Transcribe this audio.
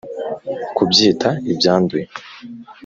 kubyita ibyanduye